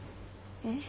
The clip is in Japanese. えっ。